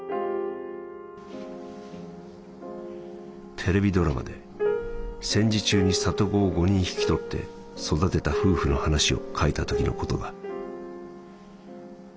「テレビドラマで戦時中に里子を五人引き取って育てた夫婦の話を書いたときのことだ」。